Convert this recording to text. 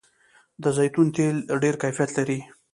د زیتون تېل ډیر کیفیت لري.